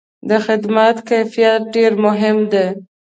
د خدمت کیفیت ډېر مهم دی.